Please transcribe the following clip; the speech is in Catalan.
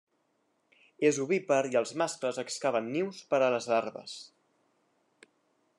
És ovípar i els mascles excaven nius per a les larves.